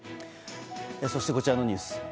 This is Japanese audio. そして、こちらのニュース。